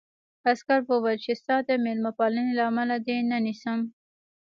عسکر وویل چې ستا د مېلمه پالنې له امله دې نه نیسم